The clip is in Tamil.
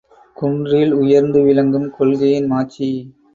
குன்றில் உயர்ந்து விளங்கும் கொள்கையின் மாட்சி!